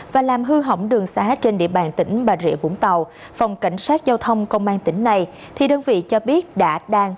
và làm hư hỏng đường xá trên địa bàn tỉnh bà rịa vũng tàu phòng cảnh sát giao thông công an tỉnh này thì đơn vị cho biết đã đang